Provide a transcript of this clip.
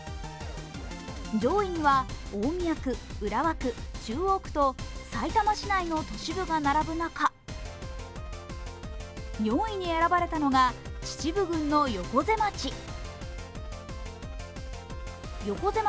上位には大宮区、浦和区、中央区と中央区とさいたま市内の都市部が並ぶ中、４位に選ばれたのが秩父郡の横瀬町。